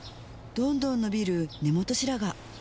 どんどん伸びる根元白髪